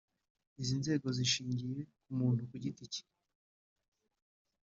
Izi nzego zishingiye ku muntu ku giti cye